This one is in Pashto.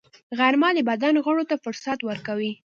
غرمه د بدن غړو ته فرصت ورکوي